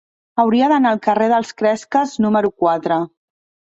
Hauria d'anar al carrer dels Cresques número quatre.